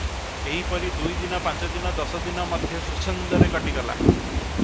ଏହିପରି ଦୁଇଦିନ, ପାଞ୍ଚଦିନ ଦଶ ଦିନ ମଧ୍ୟ ସ୍ୱଚ୍ଛନ୍ଦରେ କଟି ଗଲା ।